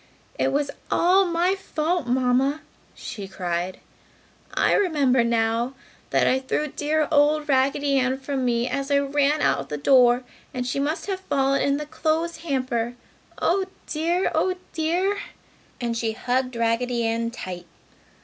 "It was all my fault, Mamma!" she cried. "I remember now that I threw dear old Raggedy Ann from me as I ran out the door and she must have fallen in the clothes hamper! Oh dear! Oh dear!" and she hugged Raggedy Ann tight.